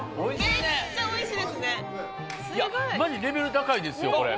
いやマジレベル高いですよこれ。